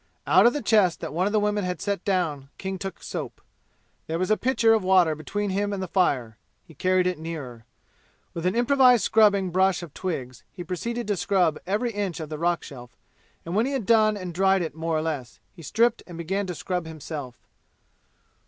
Out of the chest that one of the women had set down King took soap. There was a pitcher of water between him and the fire; he carried it nearer. With an improvised scrubbing brush of twigs he proceeded to scrub every inch of the rock shelf, and when he had done and had dried it more or less, he stripped and began to scrub himself.